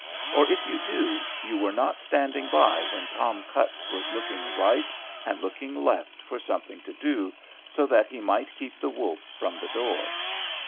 Or if you do, you were not standing by when Tom Cutts was looking right and looking left for something to do, so that he might keep the wolf from the door.